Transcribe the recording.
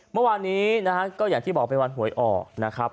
เมื่อวานนี้นะฮะก็อย่างที่บอกเป็นวันหวยออกนะครับ